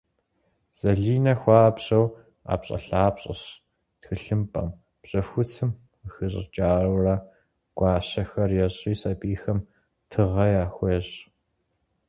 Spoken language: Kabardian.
Зэлинэ хуабжьу ӏэпщӏэлъапщӏэщ - тхылъымпӏэм, бжьэхуцым къыхищӏыкӏыурэ гуащэхэр ещӏри сэбийхэм тыгъэ яхуещӏ.